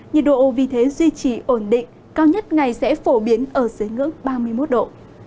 nhiệt độ vì thế duy trì ổn định cao nhất ngày sẽ phổ biến ở dưới ngưỡng ba mươi một độ